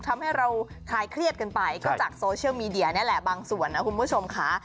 ทำให้เราคลายเครียดกันไปก็จากโซเชียลมีเดียนี่แหละบางส่วนนะคุณผู้ชมค่ะ